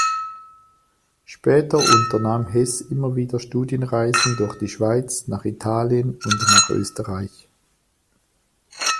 Später unternahm Hess immer wieder Studienreisen durch die Schweiz, nach Italien und nach Österreich.